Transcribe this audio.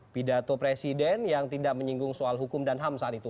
pidato presiden yang tidak menyinggung soal hukum dan ham saat itu